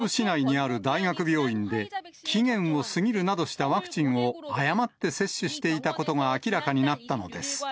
先月、ソウル市内にある大学病院で、期限を過ぎるなどしたワクチンを誤って接種していたことが明らかになったのです。